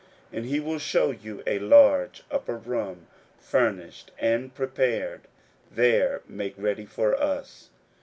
41:014:015 And he will shew you a large upper room furnished and prepared: there make ready for us.